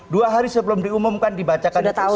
dua hari sebelum diumumkan dibacakan itu